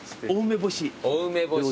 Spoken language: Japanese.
お梅干し。